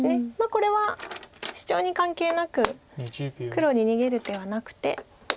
これはシチョウに関係なく黒に逃げる手はなくて。